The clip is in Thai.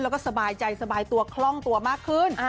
แล้วก็สบายใจสบายตัวคล่องตัวมากขึ้น